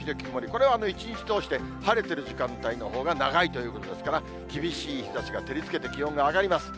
これは一日通して晴れてる時間帯のほうが長いということですから、厳しい日ざしが照りつけて気温が上がります。